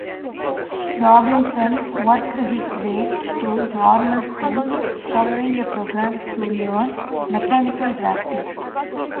Robinson worked his way through normal school, following a program to learn mechanical drafting.